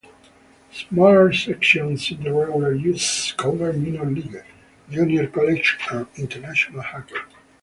Smaller sections in the regular issues cover minor league, junior, college, and international hockey.